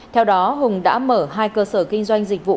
theo đó hùng đã mở hai cơ sở kinh doanh dịch vụ